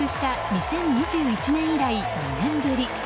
２０２１年以来２年ぶり。